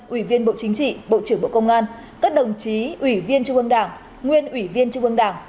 ủy viên bộ chính trị bộ trưởng bộ công an các đồng chí ủy viên trung ương đảng nguyên ủy viên trung ương đảng